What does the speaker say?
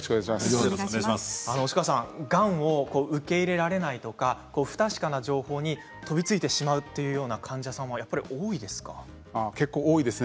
押川さん、がんを受け入れられないとか不確かな情報に飛びついてしまうという患者さんは結構、多いです。